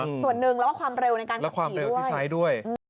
ส่วนหนึ่งแล้วก็ความเร็วในการขับผีด้วย